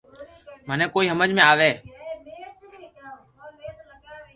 مني ڪوئي ھمج ۾ آوي